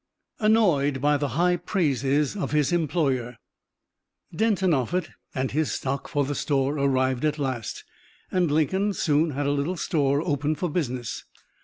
ANNOYED BY THE HIGH PRAISES OF HIS EMPLOYER Denton Offutt and his stock for the store arrived at last, and Lincoln soon had a little store opened for business.